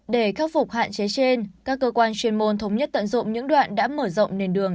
để khắc phục hạn chế trên các cơ quan chuyên môn thống nhất tận dụng những đoạn đã mở rộng nền đường